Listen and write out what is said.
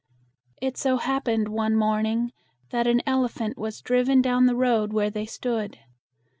It so happened one morning that an el e phant was driven down the road where they stood.